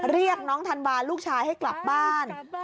เรียกน้องธันวาลูกชายให้กลับบ้าน